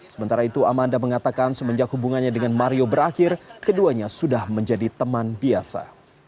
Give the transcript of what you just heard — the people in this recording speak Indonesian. sementara itu amanda mengatakan semenjak hubungannya dengan mario berakhir keduanya sudah menjadi teman biasa